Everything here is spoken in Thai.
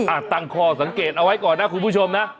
ตั้งข้อสังเกตเอาไว้ก่อนนะคุณผู้ชมนะ